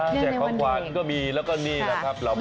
แจกของขวัญก็มีแล้วก็นี่แหละครับ